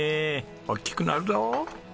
大きくなるぞ。